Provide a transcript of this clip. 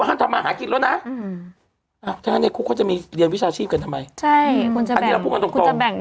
ห้ามทำมาหากินแล้วนะถ้าอย่างนี้คุกเขาจะมีเรียนวิชาชีพกันทำไมใช่คุณจะแบ่ง